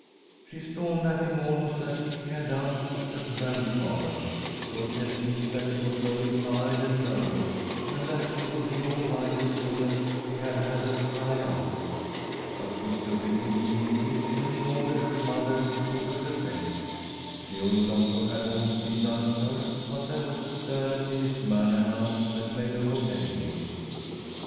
She stormed at him almost as she had done at her grandfather, protesting that she was only tired and nervous, and that she would be all right as soon as she had had her cry out. But she submitted meekly when he ordered her mother to put her to bed. The old doctor had always indulged her, but there was a sternness in his manner now that made her obey him.